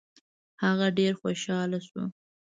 هغه ډېر خوشاله شو.